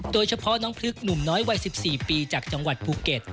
โดยเฉพาะน้องพลึกหนุ่มน้อยวัย๑๔ปีจากจังหวัดภูเก็ต